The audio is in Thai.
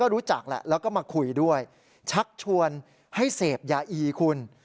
รู้จักแหละแล้วก็มาคุยด้วยชักชวนให้เสพยาอีคุณ